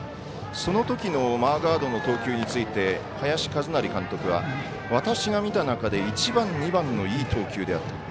そのときのマーガードの投球について林和成監督は私が見た中で１番、２番のいい投球であると。